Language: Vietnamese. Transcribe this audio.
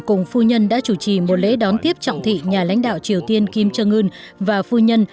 cùng phu nhân đã chủ trì một lễ đón tiếp trọng thị nhà lãnh đạo triều tiên kim jong un và phu nhân